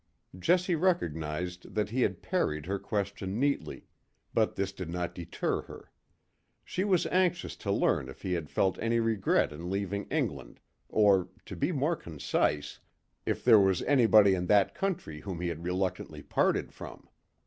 Jessie recognised that he had parried her question neatly, but this did not deter her. She was anxious to learn if he had felt any regret in leaving England, or, to be more concise, if there was anybody in that country whom he had reluctantly parted from.